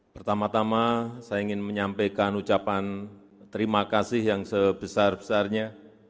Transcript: pertama tama saya ingin menyampaikan ucapan terima kasih yang sebesar besarnya